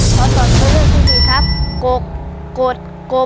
ขอตอบตัวเลือกที่สี่ครับกกดกก